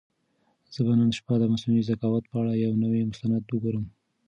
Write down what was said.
زه به نن شپه د مصنوعي ذکاوت په اړه یو نوی مستند وګورم.